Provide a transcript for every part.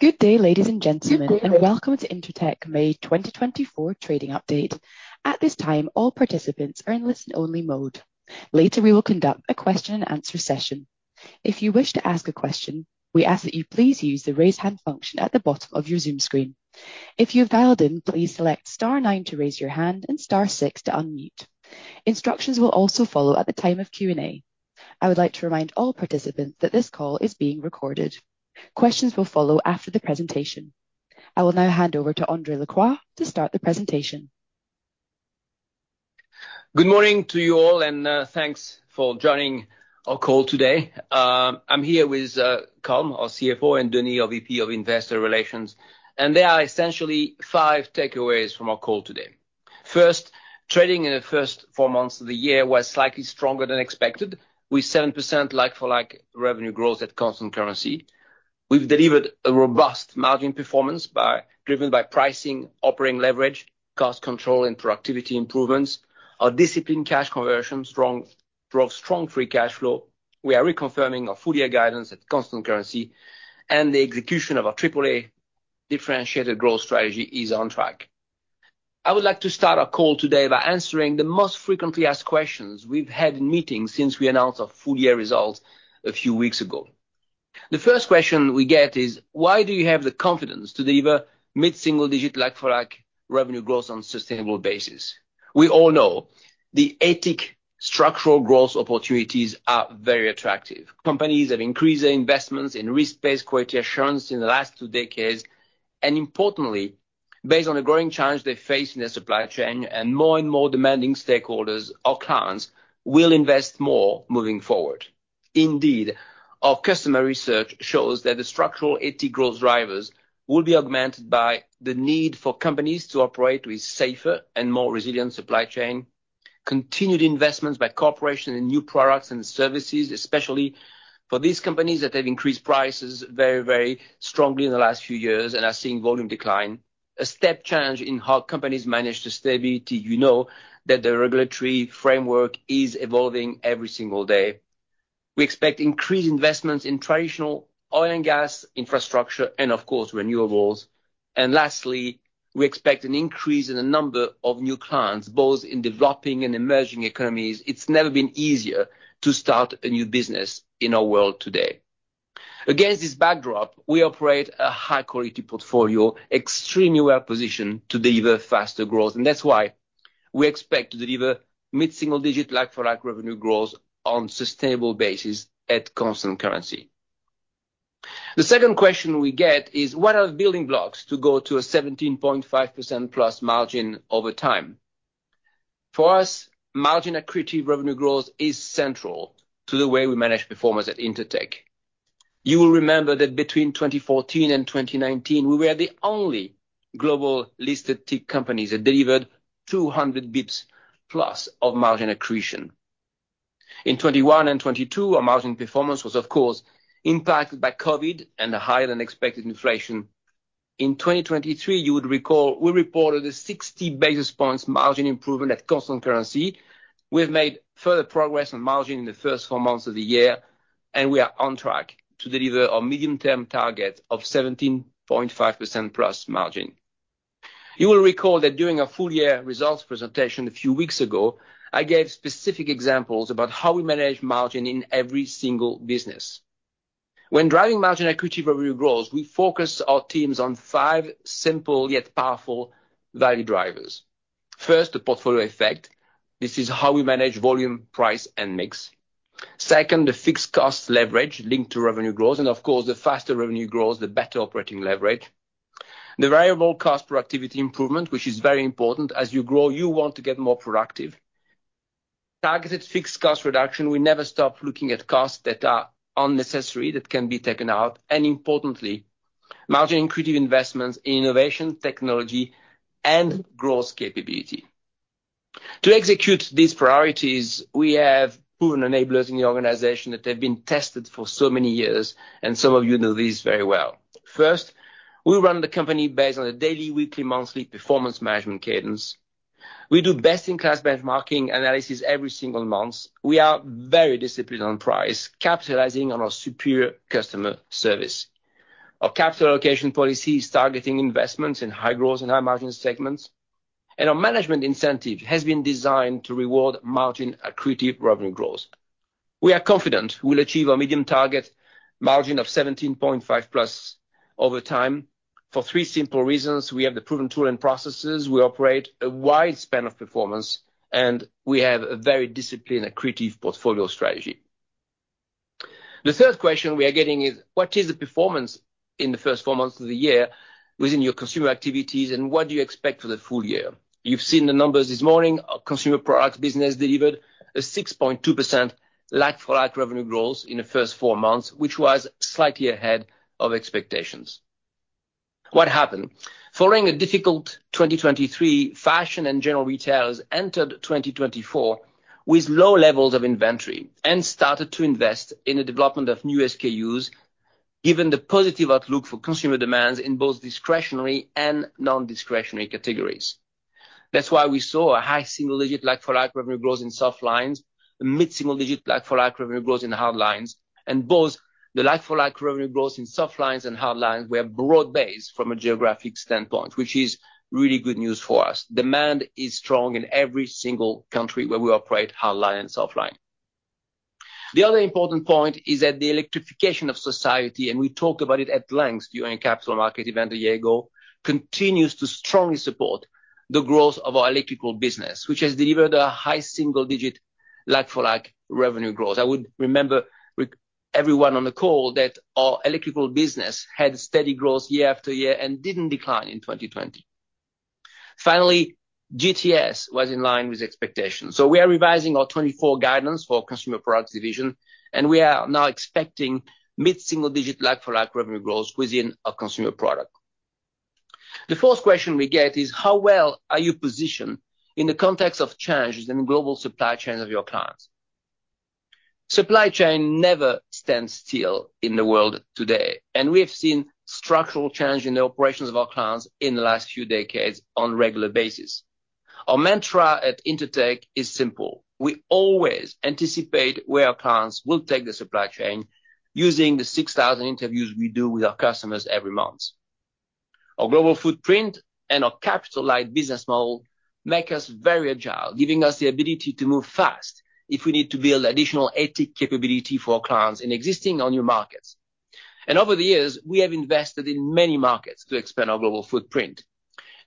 Good day, ladies and gentlemen, and welcome to Intertek May 2024 trading update. At this time, all participants are in listen-only mode. Later, we will conduct a question and answer session. If you wish to ask a question, we ask that you please use the Raise Hand function at the bottom of your Zoom screen. If you have dialed in, please select star nine to raise your hand and star six to unmute. Instructions will also follow at the time of Q&A. I would like to remind all participants that this call is being recorded. Questions will follow after the presentation. I will now hand over to André Lacroix to start the presentation. Good morning to you all, and thanks for joining our call today. I'm here with Colm, our CFO, and Denis, our VP of Investor Relations, and there are essentially five takeaways from our call today. First, trading in the first four months of the year was slightly stronger than expected, with 7% like-for-like revenue growth at constant currency. We've delivered a robust margin performance driven by pricing, operating leverage, cost control, and productivity improvements. Our disciplined cash conversion, strong, drove strong free cash flow. We are reconfirming our full-year guidance at constant currency, and the execution of our AAA differentiated growth strategy is on track. I would like to start our call today by answering the most frequently asked questions we've had in meetings since we announced our full-year results a few weeks ago. The first question we get is: why do you have the confidence to deliver mid-single-digit like-for-like revenue growth on a sustainable basis? We all know the eight TIC structural growth opportunities are very attractive. Companies have increased their investments in risk-based quality Assurance in the last two decades, and importantly, based on the growing challenge they face in their supply chain and more and more demanding stakeholders or clients, will invest more moving forward. Indeed, our customer research shows that the structural AT growth drivers will be augmented by the need for companies to operate with safer and more resilient supply chain, continued investments by corporation in new products and services, especially for these companies that have increased prices very, very strongly in the last few years and are seeing volume decline. A step change in how companies manage the stability. You know that the regulatory framework is evolving every single day. We expect increased investments in traditional oil and gas infrastructure and, of course, renewables. And lastly, we expect an increase in the number of new clients, both in developing and emerging economies. It's never been easier to start a new business in our world today. Against this backdrop, we operate a high-quality portfolio, extremely well-positioned to deliver faster growth, and that's why we expect to deliver mid-single digit like-for-like revenue growth on sustainable basis at constant currency. The second question we get is: What are the building blocks to go to a 17.5%+ margin over time? For us, margin accretive revenue growth is central to the way we manage performance at Intertek. You will remember that between 2014 and 2019, we were the only global-listed TIC companies that delivered 200 basis points+ of margin accretion. In 2021 and 2022, our margin performance was, of course, impacted by COVID and a higher-than-expected inflation. In 2023, you would recall, we reported a 60 basis points margin improvement at constant currency. We have made further progress on margin in the first 4 months of the year, and we are on track to deliver our medium-term target of 17.5%+ margin. You will recall that during our full-year results presentation a few weeks ago, I gave specific examples about how we manage margin in every single business. When driving margin accretive revenue growth, we focus our teams on five simple, yet powerful, value drivers. First, the portfolio effect. This is how we manage volume, price, and mix. Second, the fixed cost leverage linked to revenue growth, and of course, the faster revenue grows, the better operating leverage. The variable cost productivity improvement, which is very important. As you grow, you want to get more productive. Targeted fixed cost reduction. We never stop looking at costs that are unnecessary, that can be taken out, and importantly, margin accretive investments in innovation, technology, and growth capability. To execute these priorities, we have proven enablers in the organization that have been tested for so many years, and some of you know these very well. First, we run the company based on a daily, weekly, monthly performance management cadence. We do best-in-class benchmarking analysis every single month. We are very disciplined on price, capitalizing on our superior customer service. Our capital allocation policy is targeting investments in high growth and high margin segments, and our management incentive has been designed to reward margin accretive revenue growth. We are confident we'll achieve our medium target margin of 17.5%+ over time for three simple reasons: We have the proven tool and processes, we operate a wide span of performance, and we have a very disciplined, accretive portfolio strategy. The third question we are getting is: What is the performance in the first four months of the year within your consumer activities, and what do you expect for the full year? You've seen the numbers this morning. Our consumer products business delivered a 6.2% like-for-like revenue growth in the first four months, which was slightly ahead of expectations. What happened? Following a difficult 2023, fashion and general retailers entered 2024 with low levels of inventory and started to invest in the development of new SKUs, given the positive outlook for consumer demands in both discretionary and non-discretionary categories. That's why we saw a high single-digit like-for-like revenue growth in Softlines, a mid-single-digit like-for-like revenue growth in Hardlines, and both the like-for-like revenue growth in Softlines andHardlines were broad-based from a geographic standpoint, which is really good news for us. Demand is strong in every single country where we operate Hardlines and SoftlinesThe other important point is that the electrification of society, and we talked about it at length during Capital Markets event in San Diego, continues to strongly support the growth of our Electrical business, which has delivered a high single-digit like-for-like revenue growth. I would remind everyone on the call that our Electrical business had steady growth year after year and didn't decline in 2020. Finally, GTS was in line with expectations. So we are revising our 2024 guidance for Consumer Products division, and we are now expecting mid-single-digit like-for-like revenue growth within our consumer product. The fourth question we get is: how well are you positioned in the context of changes in the global supply chain of your clients? Supply chain never stands still in the world today, and we have seen structural change in the operations of our clients in the last few decades on regular basis. Our mantra at Intertek is simple: we always anticipate where our clients will take the supply chain using the 6,000 interviews we do with our customers every month. Our global footprint and our capital-light business model make us very agile, giving us the ability to move fast if we need to build additional AT capability for our clients in existing or new markets. Over the years, we have invested in many markets to expand our global footprint.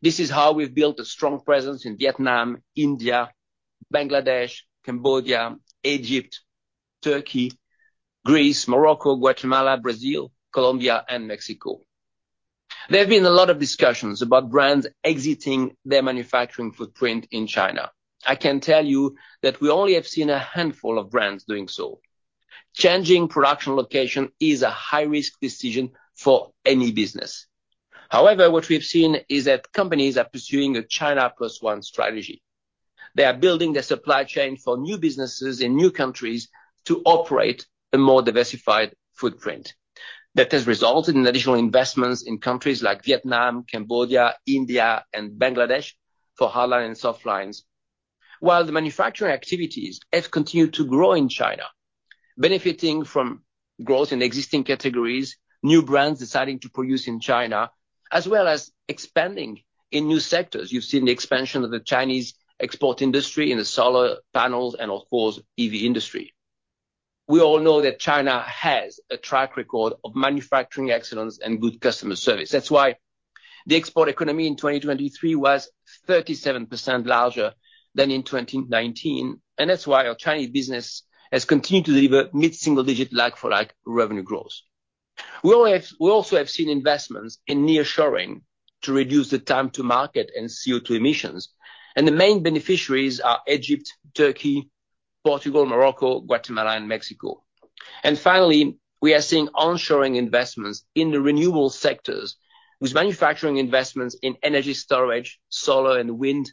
This is how we've built a strong presence in Vietnam, India, Bangladesh, Cambodia, Egypt, Turkey, Greece, Morocco, Guatemala, Brazil, Colombia, and Mexico. There have been a lot of discussions about brands exiting their manufacturing footprint in China. I can tell you that we only have seen a handful of brands doing so. Changing production location is a high-risk decision for any business. However, what we've seen is that companies are pursuing a China Plus One strategy. They are building their supply chain for new businesses in new countries to operate a more diversified footprint. That has resulted in additional investments in countries like Vietnam, Cambodia, India, and Bangladesh for hardlines and softlines. While the manufacturing activities have continued to grow in China, benefiting from growth in existing categories, new brands deciding to produce in China, as well as expanding in new sectors. You've seen the expansion of the Chinese export industry in the solar panels and, of course, EV industry. We all know that China has a track record of manufacturing excellence and good customer service. That's why the export economy in 2023 was 37% larger than in 2019, and that's why our Chinese business has continued to deliver mid-single digit like-for-like revenue growth. We also have seen investments in nearshoring to reduce the time to market and CO2 emissions, and the main beneficiaries are Egypt, Turkey, Portugal, Morocco, Guatemala, and Mexico. Finally, we are seeing onshoring investments in the renewable sectors, with manufacturing investments in energy storage, solar, and wind,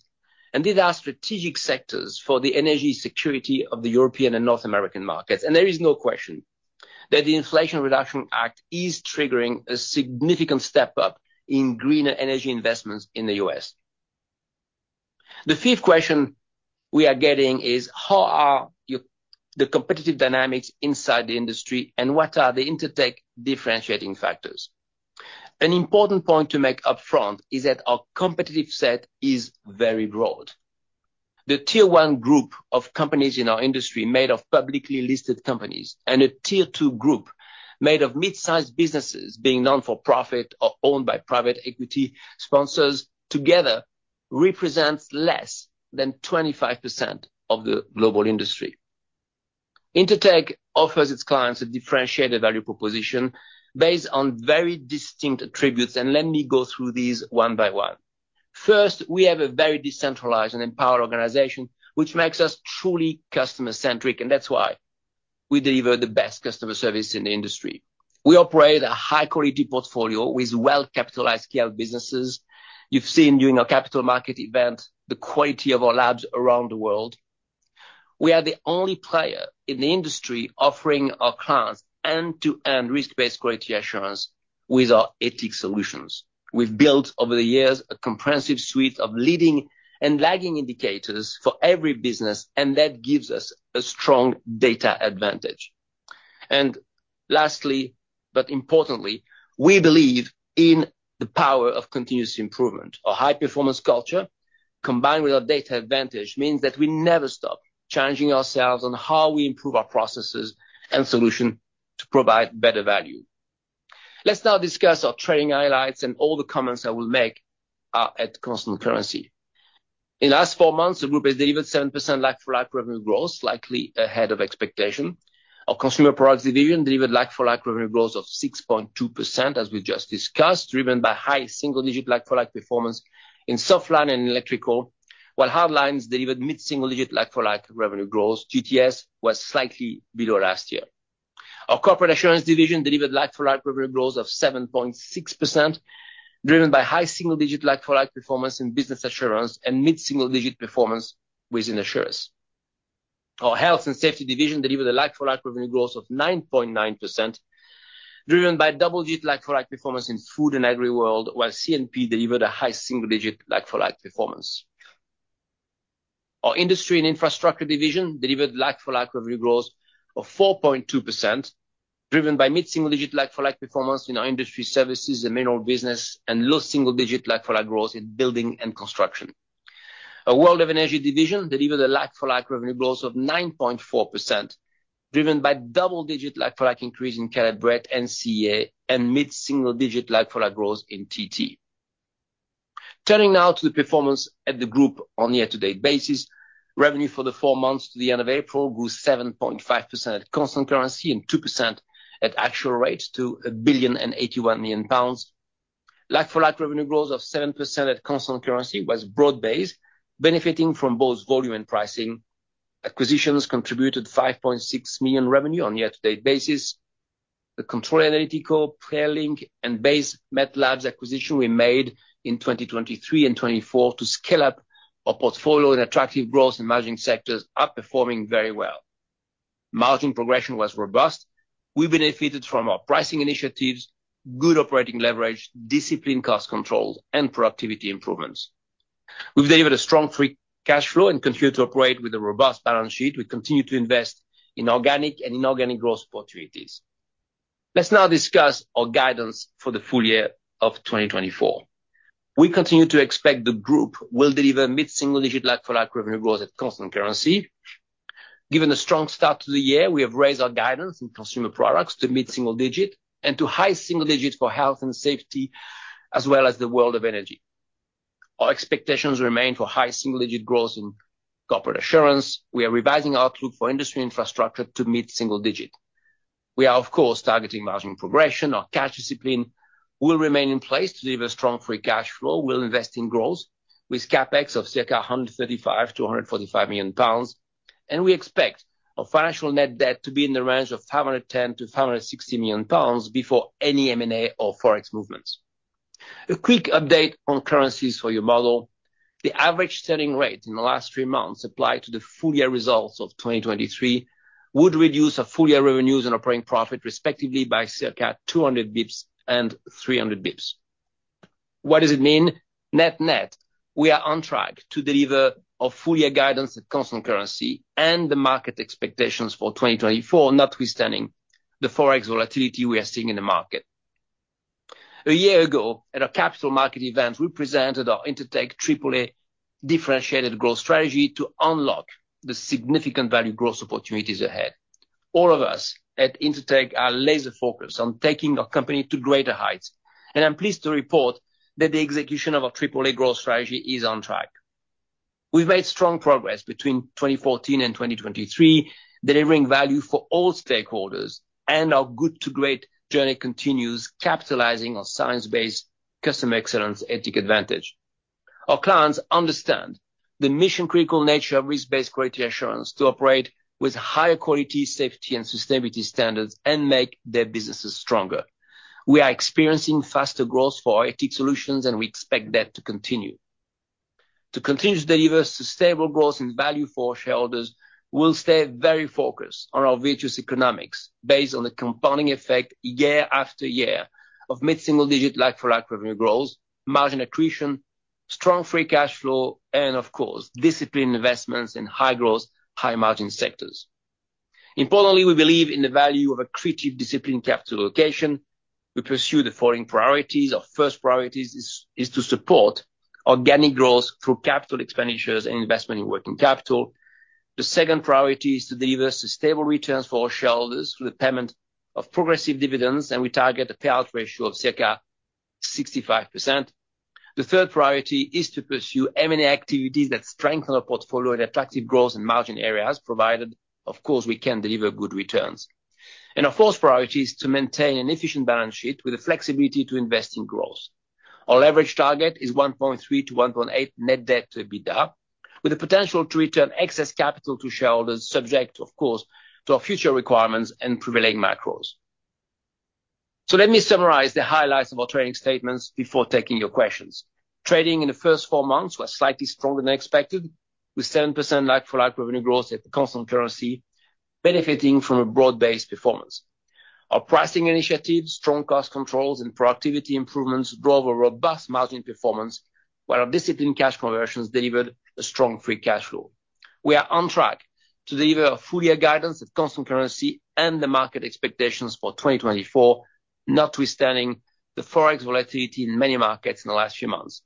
and these are strategic sectors for the energy security of the European and North American markets. There is no question that the Inflation Reduction Act is triggering a significant step up in greener energy investments in the U.S. The fifth question we are getting is: how are the competitive dynamics inside the industry, and what are the Intertek differentiating factors? An important point to make upfront is that our competitive set is very broad. The tier one group of companies in our industry, made of publicly listed companies, and a tier two group, made of mid-sized businesses being non-for-profit or owned by private equity sponsors, together represents less than 25% of the global industry. Intertek offers its clients a differentiated value proposition based on very distinct attributes, and let me go through these one by one. First, we have a very decentralized and empowered organization, which makes us truly customer-centric, and that's why we deliver the best customer service in the industry. We operate a high-quality portfolio with well-capitalized scale businesses. You've seen during our capital market event, the quality of our labs around the world. We are the only player in the industry offering our clients end-to-end risk-based quality assurance with our TQA solutions. We've built, over the years, a comprehensive suite of leading and lagging indicators for every business, and that gives us a strong data advantage. And lastly, but importantly, we believe in the power of continuous improvement. A high-performance culture, combined with our data advantage, means that we never stop challenging ourselves on how we improve our processes and solution to provide better value. Let's now discuss our trading highlights, and all the comments I will make are at constant currency. In the last four months, the group has delivered 7% like-for-like revenue growth, slightly ahead of expectation. Our Consumer Products division delivered like-for-like revenue growth of 6.2%, as we just discussed, driven by high single-digit like-for-like performance in Softlines and Electrical, while Hardlines delivered mid-single digit like-for-like revenue growth. GTS was slightly below last year. Our Corporate Assurance division delivered like-for-like revenue growth of 7.6%, driven by high single-digit like-for-like performance in Business Assurance and mid-single digit performance within assurance. Our Health and Safety division delivered a like-for-like revenue growth of 9.9%, driven by double-digit like-for-like performance in Food and AgriWorld, while C&P delivered a high single digit like-for-like performance. Our Industry and Infrastructure division delivered like-for-like revenue growth of 4.2%, driven by mid-single digit like-for-like performance in our industry services and mineral business, and low single digit like-for-like growth in Building & Construction. Our World of Energy division delivered a like-for-like revenue growth of 9.4%, driven by double digit like-for-like increase in Caleb Brett and CA, and mid-single digit like-for-like growth in TT. Turning now to the performance at the group on a year-to-date basis, revenue for the four months to the end of April grew 7.5% at constant currency and 2% at actual rates, to 1,081 million pounds. Like-for-like revenue growth of 7% at constant currency was broad-based, benefiting from both volume and pricing. Acquisitions contributed 5.6 million revenue on a year-to-date basis. The Controle Analítico, PlayerLync and Base Met Labs acquisition we made in 2023 and 2024 to scale up our portfolio in attractive growth and managing sectors are performing very well. Margin progression was robust. We benefited from our pricing initiatives, good operating leverage, disciplined cost controls, and productivity improvements. We've delivered a strong free cash flow and continue to operate with a robust balance sheet. We continue to invest in organic and inorganic growth opportunities. Let's now discuss our guidance for the full year of 2024. We continue to expect the group will deliver mid-single digit like-for-like revenue growth at constant currency. Given the strong start to the year, we have raised our guidance in Consumer Products to mid-single-digit and to high single-digit for Health and Safety, as well as the World of Energy. Our expectations remain for high single-digit growth in Corporate Assurance. We are revising outlook for Industry and Infrastructure to mid-single-digit. We are, of course, targeting margin progression. Our cash discipline will remain in place to deliver strong free cash flow. We'll invest in growth with CapEx of circa 135 million-145 million pounds, and we expect our financial net debt to be in the range of 510 million-560 million pounds before any M&A or Forex movements. A quick update on currencies for your model. The average selling rate in the last 3 months applied to the full year results of 2023 would reduce our full year revenues and operating profit, respectively, by circa 200 bps and 300 bps. What does it mean? Net net, we are on track to deliver our full year guidance at constant currency and the market expectations for 2024, notwithstanding the Forex volatility we are seeing in the market. A year ago, at our capital market event, we presented our Intertek AAA differentiated growth strategy to unlock the significant value growth opportunities ahead. All of us at Intertek are laser focused on taking our company to greater heights, and I'm pleased to report that the execution of our AAA growth strategy is on track. We've made strong progress between 2014 and 2023, delivering value for all stakeholders, and our good to great journey continues, capitalizing on science-based customer excellence, ethical advantage. Our clients understand the mission-critical nature of risk-based quality assurance to operate with higher quality, safety and sustainability standards and make their businesses stronger. We are experiencing faster growth for our IT solutions, and we expect that to continue. To continue to deliver sustainable growth and value for shareholders, we'll stay very focused on our virtuous economics, based on the compounding effect year after year of mid-single digit like-for-like revenue growth, margin accretion, strong free cash flow, and of course, disciplined investments in high growth, high margin sectors. Importantly, we believe in the value of accretive, disciplined capital allocation. We pursue the following priorities. Our first priority is, is to support organic growth through capital expenditures and investment in working capital. The second priority is to deliver stable returns for our shareholders through the payment of progressive dividends, and we target a payout ratio of circa 65%. The third priority is to pursue M&A activities that strengthen our portfolio in attractive growth and margin areas, provided, of course, we can deliver good returns. Our fourth priority is to maintain an efficient balance sheet with the flexibility to invest in growth. Our leverage target is 1.3-1.8 net debt to EBITDA, with the potential to return excess capital to shareholders, subject, of course, to our future requirements and prevailing macros. So let me summarize the highlights of our trading statements before taking your questions. Trading in the first four months was slightly stronger than expected, with 7% like-for-like revenue growth at constant currency, benefiting from a broad-based performance. Our pricing initiatives, strong cost controls, and productivity improvements drove a robust margin performance, while our disciplined cash conversions delivered a strong free cash flow. We are on track to deliver our full year guidance at constant currency and the market expectations for 2024, notwithstanding the Forex volatility in many markets in the last few months.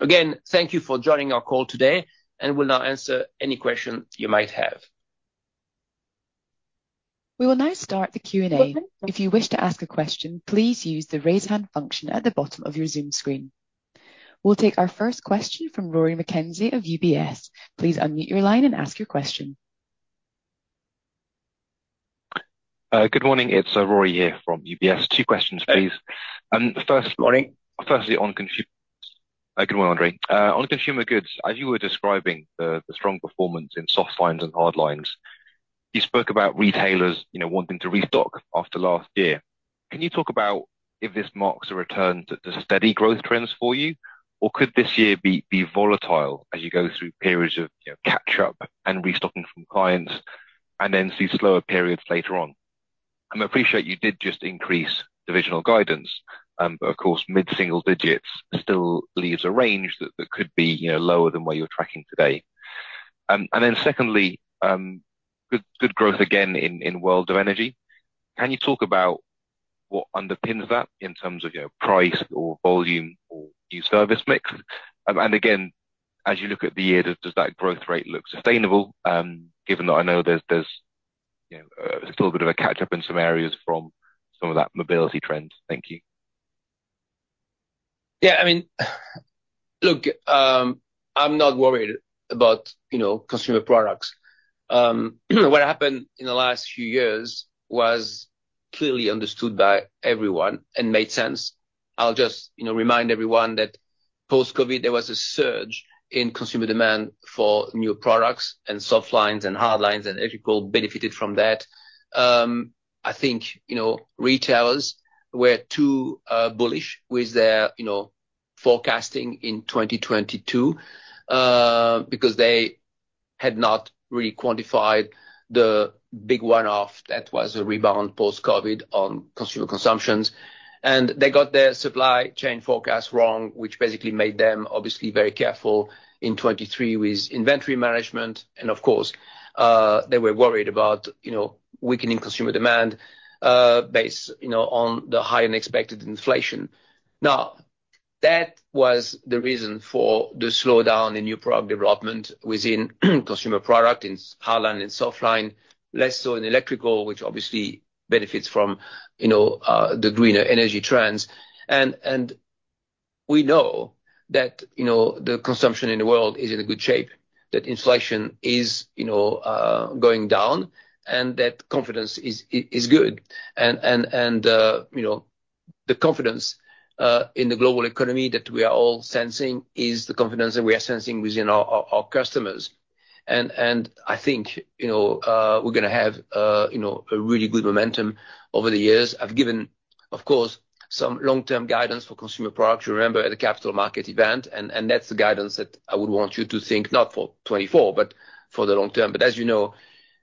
Again, thank you for joining our call today, and we'll now answer any question you might have. We will now start the Q&A. If you wish to ask a question, please use the raise hand function at the bottom of your Zoom screen. We'll take our first question from Rory McKenzie of UBS. Please unmute your line and ask your question. Good morning, it's Rory here from UBS. Two questions, please. First- Morning. Firstly, on consumer goods, good morning, André. On consumer goods, as you were describing the strong performance in soft lines and hard lines.... You spoke about retailers, you know, wanting to restock after last year. Can you talk about if this marks a return to, to steady growth trends for you? Or could this year be, be volatile as you go through periods of, you know, catch up and restocking from clients, and then see slower periods later on? I appreciate you did just increase divisional guidance, but of course, mid-single digits still leaves a range that, that could be, you know, lower than where you're tracking today. And then secondly, good, good growth again in, in World of Energy. Can you talk about what underpins that in terms of, you know, price or volume or new service mix? And again, as you look at the year, does that growth rate look sustainable, given that I know there's you know, still a bit of a catch up in some areas from some of that mobility trend? Thank you. Yeah, I mean, look, I'm not worried about, you know, consumer products. What happened in the last few years was clearly understood by everyone and made sense. I'll just, you know, remind everyone that post-COVID, there was a surge in consumer demand for new products and soft lines and hard lines, and electrical benefited from that. I think, you know, retailers were too bullish with their, you know, forecasting in 2022, because they had not really quantified the big one-off that was a rebound post-COVID on consumer consumptions. And of course, they were worried about, you know, weakening consumer demand, based, you know, on the high unexpected inflation. Now, that was the reason for the slowdown in new product development within Consumer Products, in Hardlines and Softlines, less so in electrical, which obviously benefits from, you know, the greener energy trends. And we know that, you know, the consumption in the world is in a good shape, that inflation is, you know, going down, and that confidence is good. And you know, the confidence in the global economy that we are all sensing is the confidence that we are sensing within our customers. And I think, you know, we're gonna have, you know, a really good momentum over the years. I've given, of course, some long-term guidance for Consumer Products, you remember, at the capital market event, and that's the guidance that I would want you to think not for 24, but for the long term. But as you know,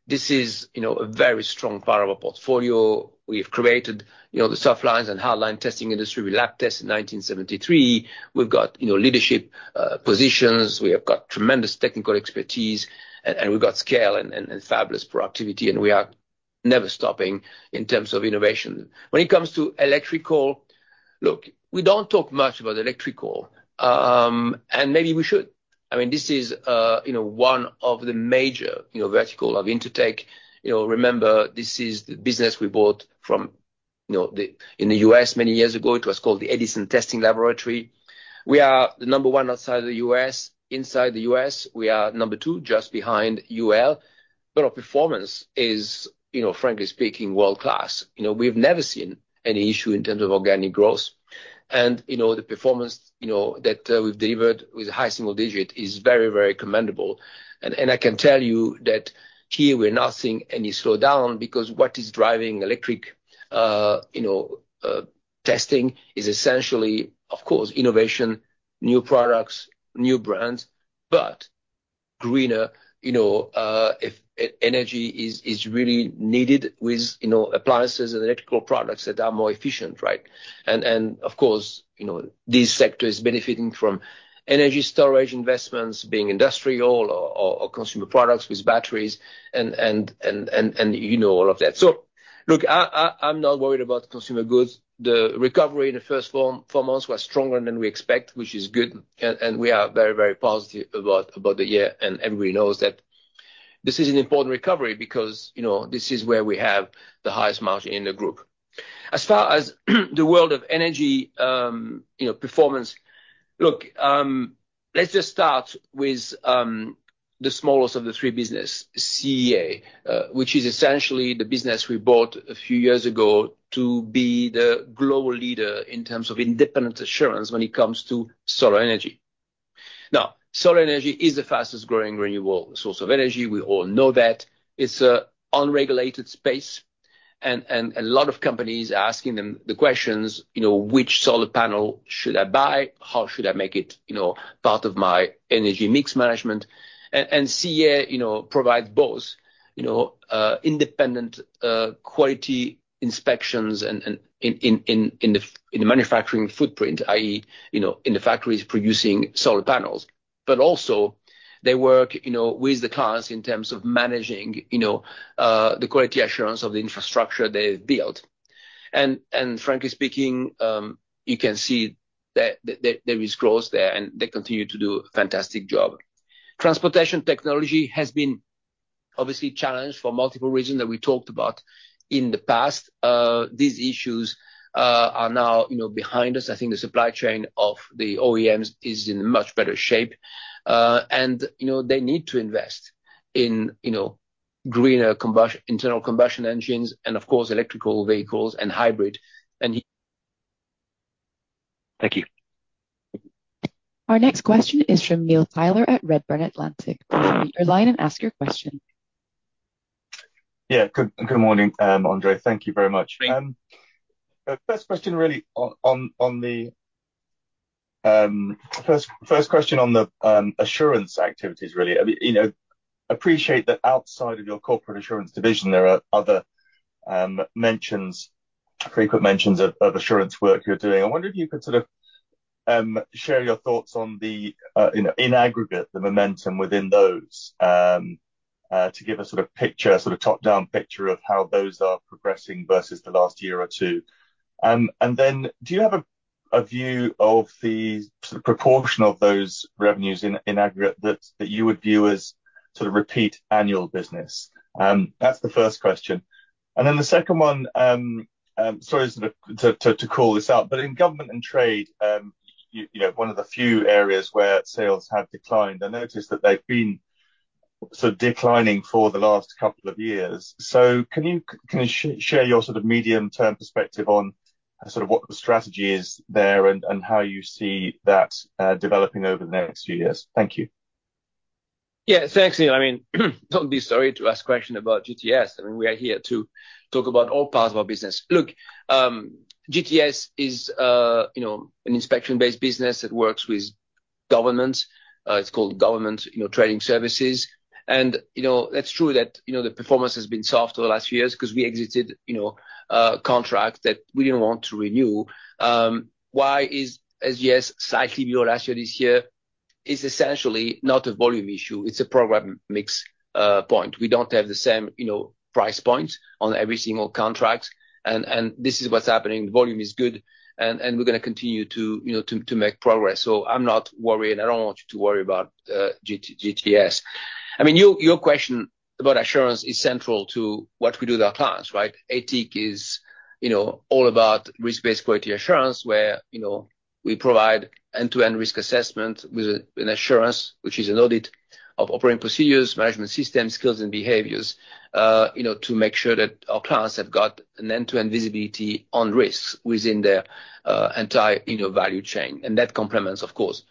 this is, you know, a very strong part of our portfolio. We've created, you know, the softlines and hardlines testing industry with Labtest in 1973. We've got, you know, leadership positions, we have got tremendous technical expertise, and we've got scale and fabulous productivity, and we are never stopping in terms of innovation. When it comes to electrical, look, we don't talk much about electrical, and maybe we should. I mean, this is, you know, one of the major, you know, vertical of Intertek. You know, remember, this is the business we bought from, you know, the one in the US many years ago. It was called the Edison Testing Laboratory. We are the number 1 outside of the US. Inside the US, we are number 2, just behind UL. But our performance is, you know, frankly speaking, world-class. You know, we've never seen any issue in terms of organic growth. And, you know, the performance, you know, that we've delivered with high single digit is very, very commendable. I can tell you that here, we're not seeing any slowdown, because what is driving electrical testing is essentially, of course, innovation, new products, new brands, but greener. You know, if energy is really needed with, you know, appliances and electrical products that are more efficient, right? Of course, you know, this sector is benefiting from energy storage investments, being industrial or consumer products with batteries and, you know, all of that. So, look, I, I'm not worried about consumer goods. The recovery in the first four months was stronger than we expect, which is good, and we are very, very positive about the year. And everybody knows that this is an important recovery because, you know, this is where we have the highest margin in the group. As far as the World of Energy, you know, performance. Look, let's just start with the smallest of the three business, CEA, which is essentially the business we bought a few years ago to be the global leader in terms of independent assurance when it comes to solar energy. Now, solar energy is the fastest growing renewable source of energy. We all know that. It's an unregulated space, and a lot of companies are asking them the questions, you know: Which solar panel should I buy? How should I make it, you know, part of my energy mix management? And CEA, you know, provides both, you know, independent quality inspections and in the manufacturing footprint, i.e., you know, in the factories producing solar panels. But also, they work, you know, with the clients in terms of managing, you know, the quality assurance of the infrastructure they've built. And frankly speaking, you can see that there is growth there, and they continue to do a fantastic job. Transportation Technologies has been obviously challenged for multiple reasons that we talked about in the past. These issues are now, you know, behind us. I think the supply chain of the OEMs is in much better shape. You know, they need to invest in, you know, greener combustion, internal combustion engines and of course, electric vehicles and hybrid, and-... Thank you. Our next question is from Neil Tyler at Redburn Atlantic. Please unmute your line and ask your question. Yeah, good, good morning, André. Thank you very much. The first question really on the assurance activities, really. I mean, you know, appreciate that outside of your Corporate Assurance division, there are other frequent mentions of assurance work you're doing. I wonder if you could sort of share your thoughts on the, you know, in aggregate, the momentum within those to give a sort of picture, sort of top-down picture of how those are progressing versus the last year or two. And then do you have a view of the sort of proportion of those revenues in aggregate that you would view as sort of repeat annual business? That's the first question. And then the second one, sorry, sort of to call this out, but in government and trade, you know, one of the few areas where sales have declined. I noticed that they've been sort of declining for the last couple of years. So can you share your sort of medium-term perspective on sort of what the strategy is there and how you see that developing over the next few years? Thank you. Yeah, thanks, Neil. I mean, don't be sorry to ask question about GTS. I mean, we are here to talk about all parts of our business. Look, GTS is, you know, an inspection-based business that works with governments. It's called Government and Trade Services, and, you know, that's true that, you know, the performance has been soft over the last few years, 'cause we exited, you know, a contract that we didn't want to renew. Why is GTS slightly lower last year, this year? It's essentially not a volume issue, it's a program mix point. We don't have the same, you know, price points on every single contract, and, and this is what's happening. The volume is good, and, and we're gonna continue to, you know, to make progress. So I'm not worried, and I don't want you to worry about GTS. I mean, your question about assurance is central to what we do with our clients, right? ATIC is, you know, all about risk-based quality assurance, where, you know, we provide end-to-end risk assessment with an assurance, which is an audit of operating procedures, management systems, skills, and behaviors, you know, to make sure that our clients have got an end-to-end visibility on risks within their entire, you know, value chain. And that complements, of course,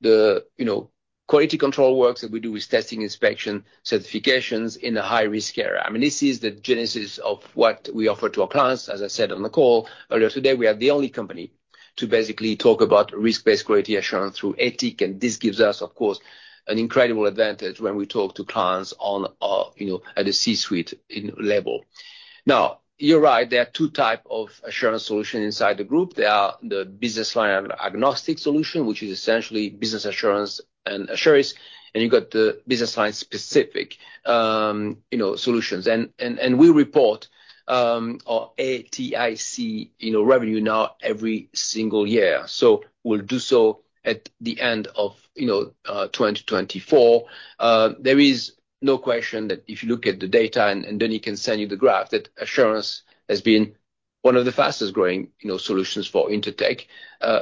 the, you know, quality control works that we do with testing, inspection, certifications in a high-risk area. I mean, this is the genesis of what we offer to our clients. As I said on the call earlier today, we are the only company to basically talk about risk-based quality assurance through ATIC, and this gives us, of course, an incredible advantage when we talk to clients on a, you know, at a C-suite level. Now, you're right, there are two types of assurance solutions inside the group. There are the business line-agnostic solutions, which is essentially business assurance and assurance, and you've got the business line-specific, you know, solutions. And we report our ATIC, you know, revenue now every single year, so we'll do so at the end of, you know, 2024. There is no question that if you look at the data, and Denis can send you the graph, that assurance has been one of the fastest growing, you know, solutions for Intertek.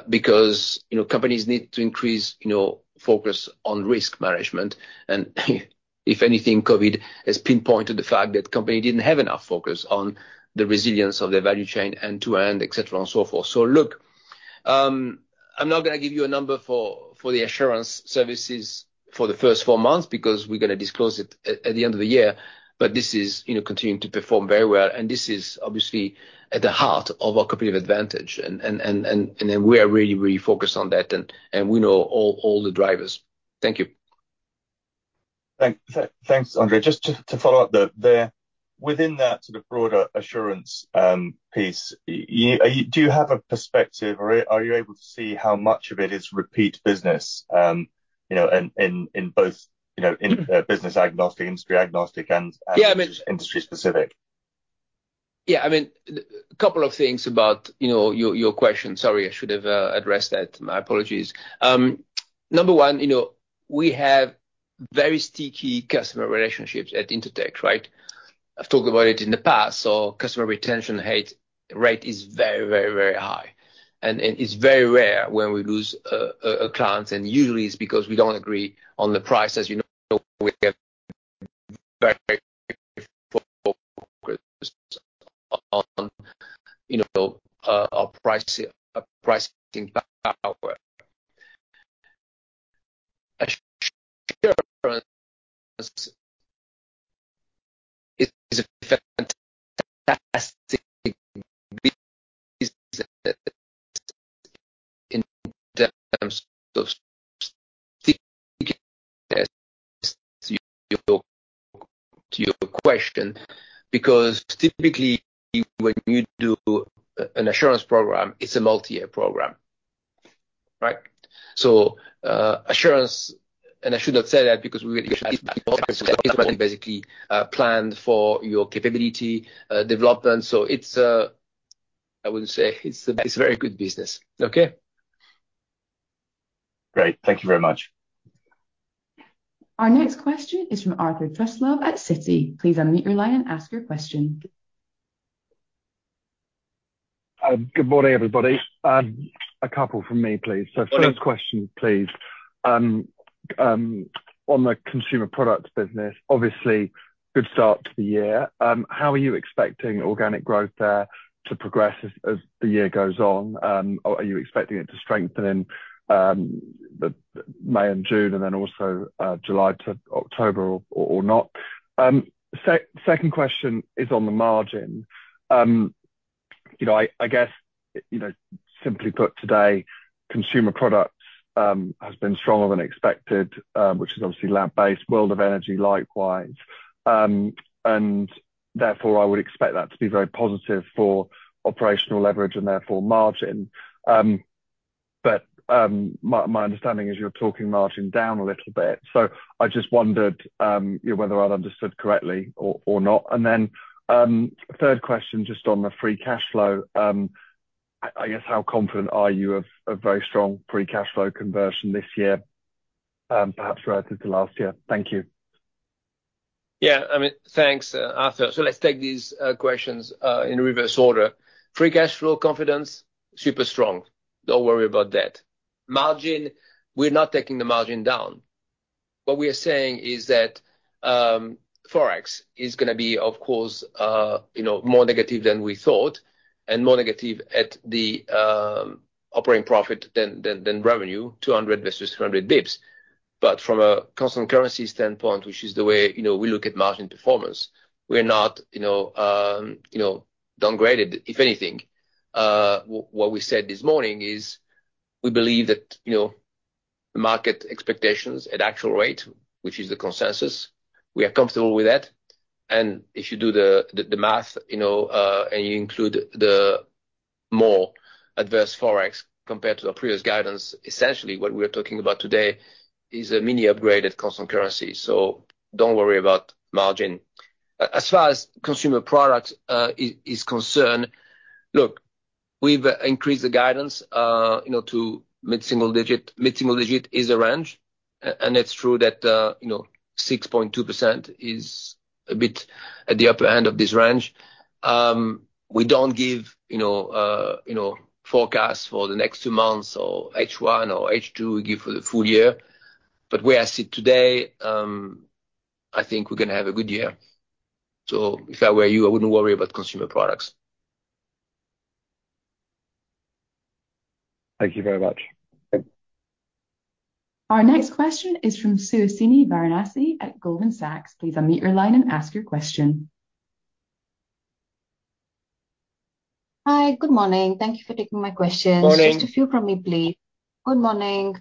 Because, you know, companies need to increase, you know, focus on risk management, and if anything, COVID has pinpointed the fact that companies didn't have enough focus on the resilience of their value chain end-to-end, et cetera, and so forth. So look, I'm not gonna give you a number for the assurance services for the first four months, because we're gonna disclose it at the end of the year, but this is, you know, continuing to perform very well, and this is obviously at the heart of our competitive advantage. And then we are really, really focused on that, and we know all the drivers. Thank you. Thanks, André. Just to follow up there, within that sort of broader assurance piece, you... Do you have a perspective, or are you able to see how much of it is repeat business, you know, in both, you know, in business agnostic, industry agnostic, and- Yeah, I mean— Industry specific? Yeah, I mean, a couple of things about, you know, your, your question. Sorry, I should have addressed that. My apologies. Number one, you know, we have very sticky customer relationships at Intertek, right? I've talked about it in the past, so customer retention rate is very, very, very high, and it, it's very rare when we lose a client, and usually it's because we don't agree on the price, as you know, we get very focused on, you know, our price, pricing power. Assurance is a fantastic business in terms of stickiness, to your question, because typically, when you do an assurance program, it's a multi-year program, right? So, assurance, and I should not say that because we basically planned for your capability development, so it's, I would say it's, it's very good business. Okay? Great. Thank you very much. Our next question is from Arthur Truslove at Citi. Please unmute your line and ask your question. Good morning, everybody. A couple from me, please. Sure. So first question, please. On the Consumer Products business, obviously good start to the year. How are you expecting organic growth there to progress as the year goes on? Are you expecting it to strengthen in the May and June, and then also July to October or not? Second question is on the margin. You know, I guess, you know, simply put today, Consumer Products has been stronger than expected, which is obviously lab-based, World of Energy, likewise. And therefore, I would expect that to be very positive for operational leverage and therefore margin. But my understanding is you're talking margin down a little bit. So I just wondered, you know, whether I'd understood correctly or not. And then third question, just on the free cash flow. I guess, how confident are you of very strong free cash flow conversion this year, perhaps relative to last year? Thank you. Yeah, I mean, thanks, Arthur. So let's take these questions in reverse order. Free cash flow confidence, super strong. Don't worry about that. Margin, we're not taking the margin down. What we are saying is that, Forex is gonna be, of course, you know, more negative than we thought, and more negative at the operating profit than revenue, 200 versus 200 basis points. But from a constant currency standpoint, which is the way, you know, we look at margin performance, we're not, you know, downgraded. If anything, what we said this morning is, we believe that, you know, the market expectations at actual rate, which is the consensus, we are comfortable with that. And if you do the math, you know, and you include the more adverse Forex compared to our previous guidance, essentially what we're talking about today is a mini upgrade at constant currency, so don't worry about margin. As far as consumer product is concerned, look, we've increased the guidance, you know, to mid-single digit. Mid-single digit is a range, and it's true that, you know, 6.2% is a bit at the upper end of this range. We don't give, you know, forecasts for the next two months or H1 or H2, we give for the full year. But where I sit today, I think we're gonna have a good year. So if I were you, I wouldn't worry about consumer products. Thank you very much. Thank you. Our next question is from Suhasini Varanasi at Goldman Sachs. Please unmute your line and ask your question. Hi, good morning. Thank you for taking my questions. Morning. Just a few from me, please. Good morning.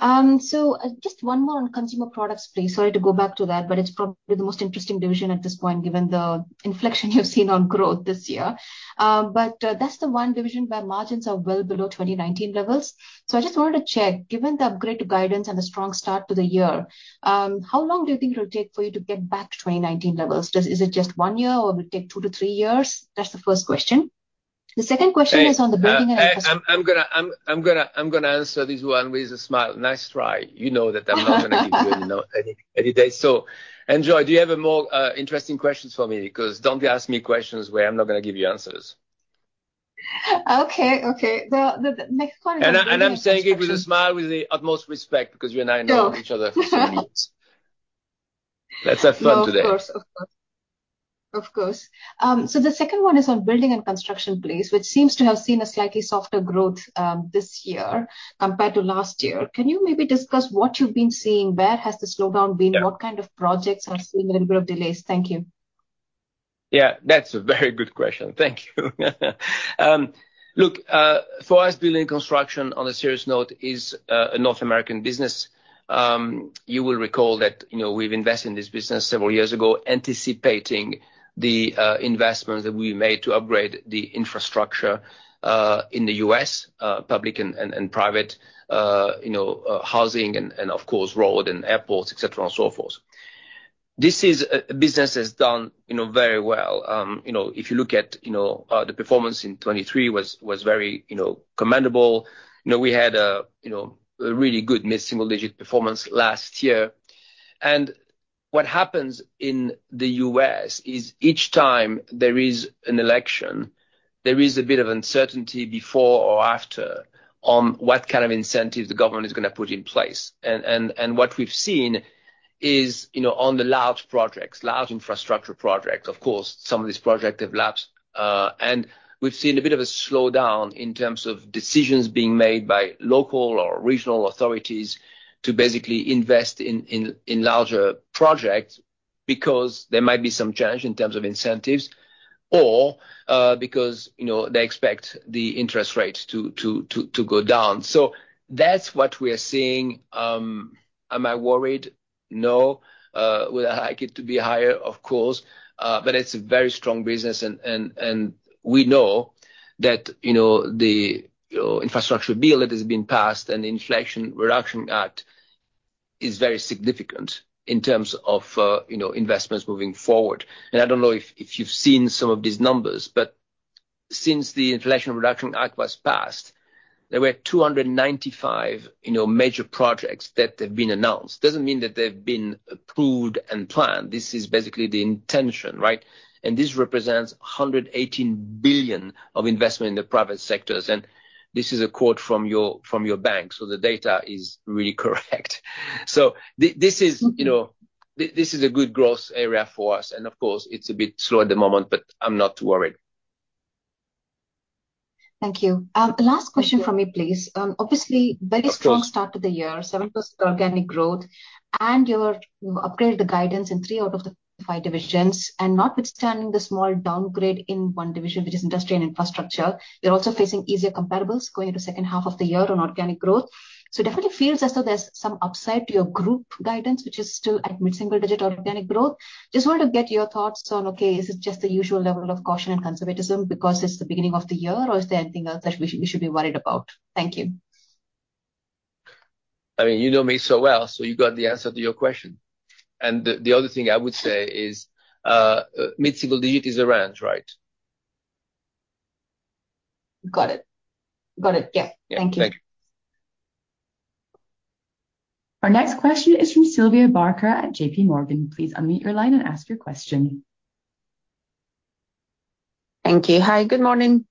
So just one more on consumer products, please. Sorry to go back to that, but it's probably the most interesting division at this point, given the inflection you've seen on growth this year. But that's the one division where margins are well below 2019 levels. So I just wanted to check, given the upgrade to guidance and the strong start to the year, how long do you think it'll take for you to get back to 2019 levels? Just... Is it just one year, or will it take two to three years? That's the first question. The second question is on the building and- I'm gonna answer this one with a smile. Nice try. You know that I'm not gonna give you any date. So Anjo, do you have a more interesting questions for me? Because don't ask me questions where I'm not gonna give you answers. Okay, okay. Well, the, the next one is- And I'm saying it with a smile, with the utmost respect, because you and I know each other for so many years. Let's have fun today. No, of course, of course. Of course. So the second one is on building and construction, please, which seems to have seen a slightly softer growth, this year compared to last year. Can you maybe discuss what you've been seeing? Where has the slowdown been? Yeah. What kind of projects have seen a little bit of delays? Thank you. Yeah, that's a very good question. Thank you. Look, for us, building and construction, on a serious note, is a North American business. You will recall that, you know, we've invested in this business several years ago, anticipating the investments that we made to upgrade the infrastructure in the U.S., public and private, you know, housing and, of course, road and airports, et cetera and so forth. This business has done, you know, very well. You know, if you look at, you know, the performance in 2023 was very, you know, commendable. You know, we had a, you know, a really good mid-single digit performance last year. And what happens in the U.S. is each time there is an election, there is a bit of uncertainty before or after on what kind of incentive the government is gonna put in place. And what we've seen is, you know, on the large projects, large infrastructure projects, of course, some of these projects have lapsed, and we've seen a bit of a slowdown in terms of decisions being made by local or regional authorities to basically invest in larger projects, because there might be some change in terms of incentives or, because, you know, they expect the interest rates to go down. So that's what we are seeing. Am I worried? No. Would I like it to be higher? Of course. But it's a very strong business and, and, and we know that, you know, the, you know, infrastructure bill that has been passed and the Inflation Reduction Act is very significant in terms of, you know, investments moving forward. And I don't know if, if you've seen some of these numbers, but since the Inflation Reduction Act was passed, there were 295, you know, major projects that have been announced. Doesn't mean that they've been approved and planned. This is basically the intention, right? And this represents $118 billion of investment in the private sectors, and this is a quote from your, from your bank, so the data is really correct. So this is, you know... this is a good growth area for us, and of course, it's a bit slow at the moment, but I'm not worried. Thank you. Last question from me, please. Obviously- Of course. Very strong start to the year, 7% organic growth, and you are, you upgraded the guidance in 3 out of the 5 divisions, and notwithstanding the small downgrade in 1 division, which is Industry and Infrastructure, you're also facing easier comparables going into second half of the year on organic growth. So it definitely feels as though there's some upside to your group guidance, which is still at mid-single digit organic growth. Just wanted to get your thoughts on, okay, is it just the usual level of caution and conservatism because it's the beginning of the year, or is there anything else that we, we should be worried about? Thank you. I mean, you know me so well, so you got the answer to your question. And the other thing I would say is, mid-single digit is a range, right? Got it. Got it. Yeah. Yeah. Thank you. Thank you. Our next question is from Sylvia Barker at J.P. Morgan. Please unmute your line and ask your question. Thank you. Hi, good morning.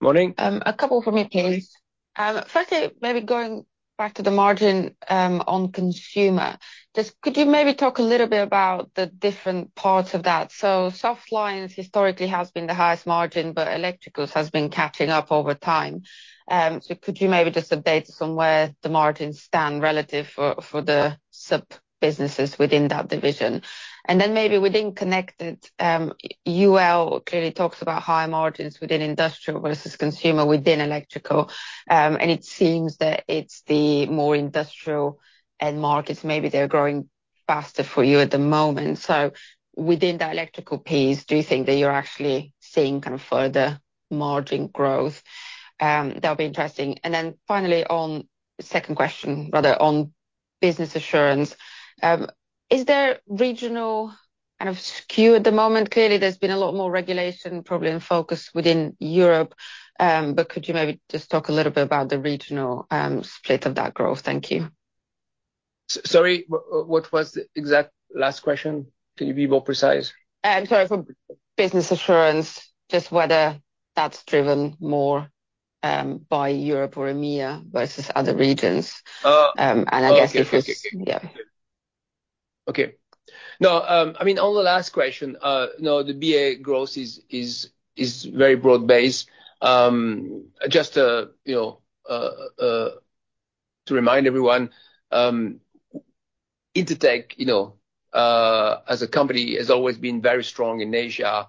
Morning. A couple from me, please. Firstly, maybe going back to the margin, on consumer, just could you maybe talk a little bit about the different parts of that? So soft lines historically has been the highest margin, but electricals has been catching up over time. So could you maybe just update us on where the margins stand relative for, for the sub-businesses within that division? And then maybe within connected, UL clearly talks about higher margins within industrial versus consumer within electrical. And it seems that it's the more industrial end markets, maybe they're growing faster for you at the moment. So within the electrical piece, do you think that you're actually seeing kind of further margin growth? That'll be interesting. And then finally, on second question, rather, on business assurance, is there regional kind of skew at the moment? Clearly, there's been a lot more regulation, probably in focus within Europe, but could you maybe just talk a little bit about the regional split of that growth? Thank you. Sorry, what was the exact last question? Can you be more precise? Sorry, for business assurance, just whether that's driven more, by Europe or EMEA versus other regions? Oh. I guess if it's- Okay. Okay. Yeah. Okay. No, I mean, on the last question, no, the BA growth is very broad-based. Just, you know, to remind everyone, Intertek, you know, as a company, has always been very strong in Asia,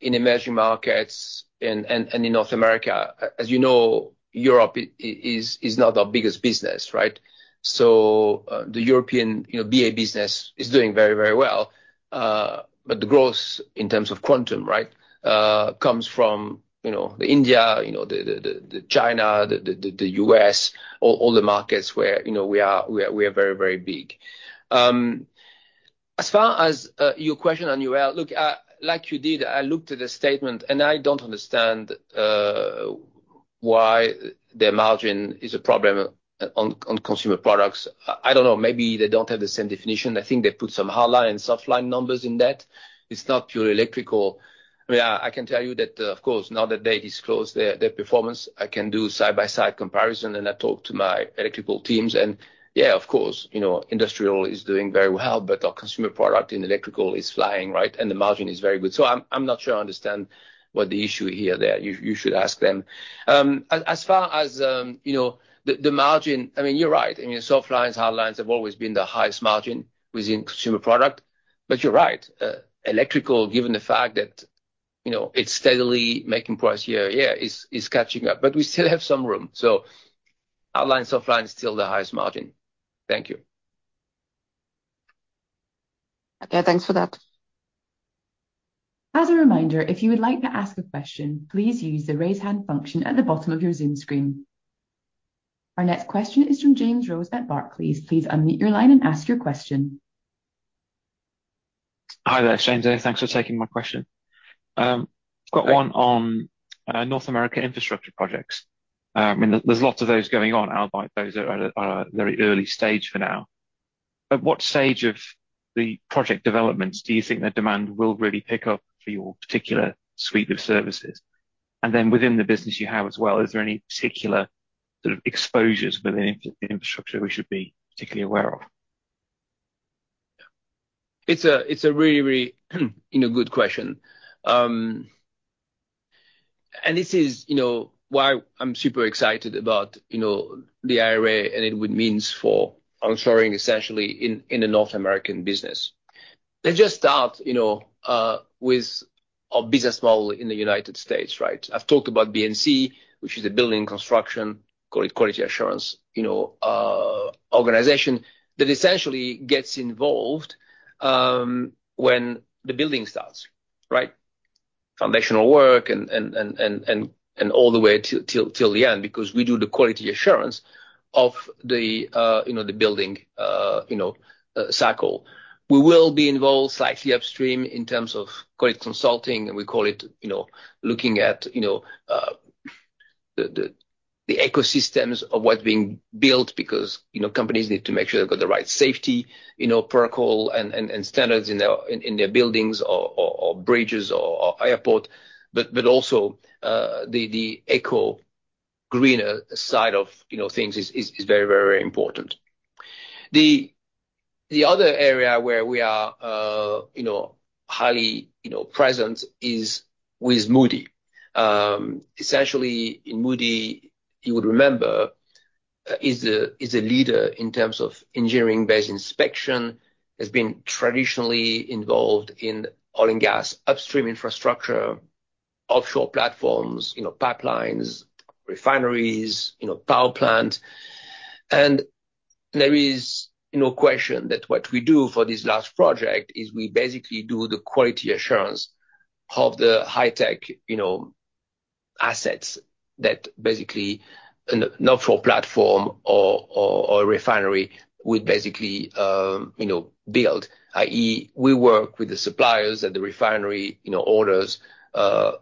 in emerging markets, and in North America. As you know, Europe is not our biggest business, right? So, the European, you know, BA business is doing very, very well. But the growth in terms of quantum, right, comes from, you know, the India, you know, the China, the US, all the markets where, you know, we are very, very big. As far as your question on UL, look, like you did, I looked at the statement, and I don't understand why their margin is a problem on consumer products. I don't know, maybe they don't have the same definition. I think they put some hardlines and softlines numbers in that. It's not pure electrical. I mean, I can tell you that, of course, now that they disclose their performance, I can do side-by-side comparison, and I talk to my electrical teams, and yeah, of course, you know, industrial is doing very well, but our consumer product in electrical is flying, right? And the margin is very good. So I'm not sure I understand what the issue here there. You should ask them. As far as you know, the margin, I mean, you're right. I mean, soft lines, hard lines have always been the highest margin within consumer product, but you're right. Electrical, given the fact that, you know, it's steadily making progress year on year, is catching up. But we still have some room, so hard line, soft line is still the highest margin. Thank you. Okay, thanks for that. As a reminder, if you would like to ask a question, please use the raise hand function at the bottom of your Zoom screen. Our next question is from James Rose at Barclays. Please unmute your line and ask your question. Hi there, James here. Thanks for taking my question. Yeah. Got one on North America infrastructure projects. I mean, there's lots of those going on, although those are at a very early stage for now. At what stage of the project developments do you think the demand will really pick up for your particular suite of services? And then within the business you have as well, is there any particular sort of exposures within infrastructure we should be particularly aware of? It's a really, really, you know, good question. This is, you know, why I'm super excited about, you know, the IRA, and what it means for onshoring, essentially, in the North American business. Let's just start, you know, with our business model in the United States, right? I've talked about B&C, which is a building construction, quality assurance, you know, organization, that essentially gets involved, when the building starts, right? Foundational work and all the way till the end, because we do the quality assurance of the, you know, the building, you know, cycle. We will be involved slightly upstream in terms of quality consulting, and we call it, you know, looking at, you know, the ecosystems of what's being built, because, you know, companies need to make sure they've got the right safety, you know, protocol and standards in their buildings or bridges or airport. But also, the greener side of, you know, things is very, very important. The other area where we are, you know, highly, you know, present is with Moody. Essentially, in Moody, you would remember, is a leader in terms of engineering-based inspection, has been traditionally involved in oil and gas upstream infrastructure, offshore platforms, you know, pipelines, refineries, you know, power plant. There is no question that what we do for this last project is we basically do the quality assurance of the high-tech, you know, assets that basically an offshore platform or refinery would basically, you know, build, i.e., we work with the suppliers at the refinery, you know, orders,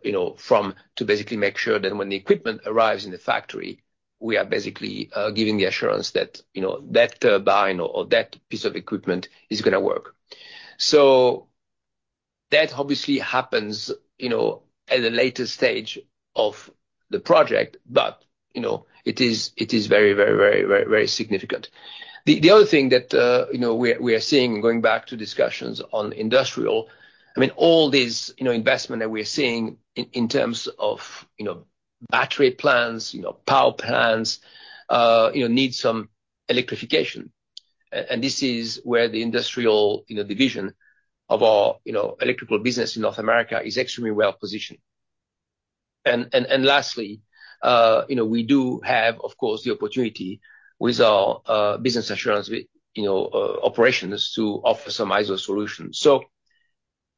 you know, from to basically make sure that when the equipment arrives in the factory, we are basically giving the assurance that, you know, that turbine or that piece of equipment is gonna work. So that obviously happens, you know, at a later stage of the project, but, you know, it is very, very, very, very, very significant. The other thing that, you know, we are seeing, going back to discussions on industrial, I mean, all these, you know, investment that we are seeing in terms of, you know, battery plants, you know, power plants, you know, need some electrification. And this is where the industrial, you know, division of our, you know, electrical business in North America is extremely well positioned. And lastly, you know, we do have, of course, the opportunity with our business assurance, we, you know, operations to offer some ISO solutions. So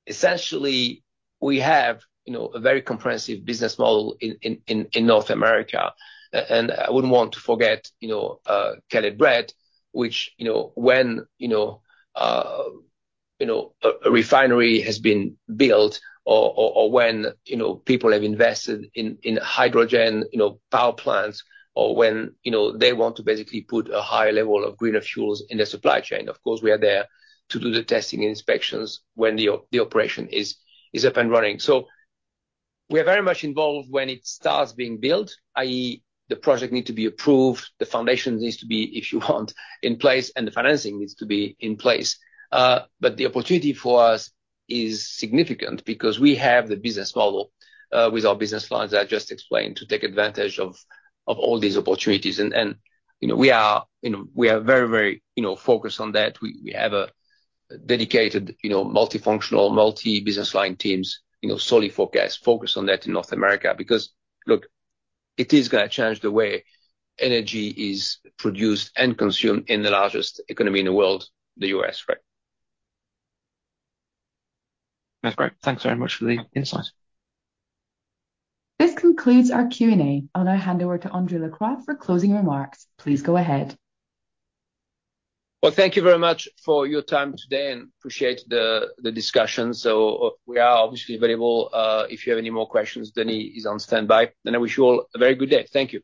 essentially, we have, you know, a very comprehensive business model in North America. And I wouldn't want to forget, you know, Caleb Brett, which, you know, when, you know, you know, a refinery has been built or when, you know, people have invested in hydrogen, you know, power plants, or when, you know, they want to basically put a higher level of greener fuels in their supply chain, of course, we are there to do the testing and inspections when the operation is up and running. So we are very much involved when it starts being built, i.e., the project need to be approved, the foundation needs to be, if you want, in place, and the financing needs to be in place. But the opportunity for us is significant because we have the business model with our business lines I just explained to take advantage of all these opportunities. you know, we are, you know, we are very, very, you know, focused on that. We have a dedicated, you know, multifunctional, multi-business line teams, you know, solely focused on that in North America, because, look, it is gonna change the way energy is produced and consumed in the largest economy in the world, the U.S., right? That's great. Thanks very much for the insight. This concludes our Q&A. I'll now hand over to André Lacroix for closing remarks. Please go ahead. Well, thank you very much for your time today, and appreciate the discussion. So, we are obviously available if you have any more questions, Denny is on standby, and I wish you all a very good day. Thank you.